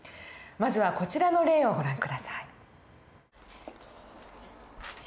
まずはこちらの例をご覧下さい。